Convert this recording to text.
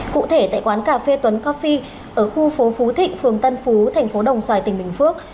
cụ thể tại quán cà phê tuấn coffie ở khu phố phú thịnh phường tân phú thành phố đồng xoài tỉnh bình phước